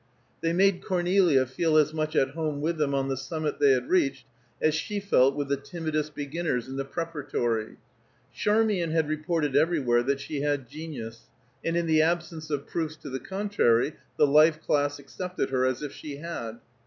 They made Cornelia feel as much at home with them on the summit they had reached, as she felt with the timidest beginners in the Preparatory. Charmian had reported everywhere that she had genius, and in the absence of proofs to the contrary the life class accepted her as if she had.